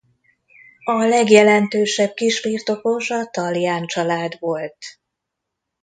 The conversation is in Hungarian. A legjelentősebb kisbirtokos a Tallián család volt.